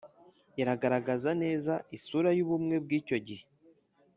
iragaragaza neza isura y' ubumwe bw' icyo gihe.